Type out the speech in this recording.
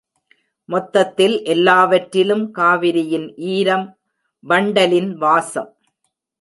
மொத்தத்தில் எல்லாவற்றிலும் காவிரியின் ஈரம், வண்டலின் வாசம்.